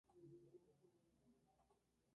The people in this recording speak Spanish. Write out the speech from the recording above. En la actualidad es un centro cultural.